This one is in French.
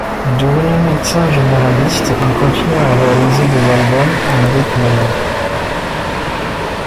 Devenu médecin généraliste, il continue à réaliser des albums, à un rythme lent.